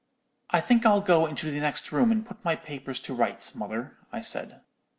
"'I think I'll go into the next room and put my papers to rights, mother,' I said.